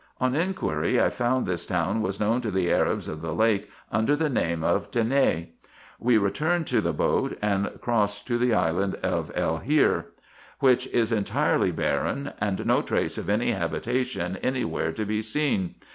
On inquiry, I found this town was known to the Arabs of the lake under the name of Denav. We returned to the IN EGYPT, NUBIA, Sec. 387 boat and crossed to the island of El Hear, which is entirely barren, and no trace of any habitation any where to be seen.